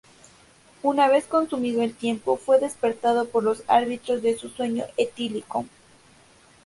Una vez consumido el tiempo, fue despertado por los árbitros de su sueño etílico.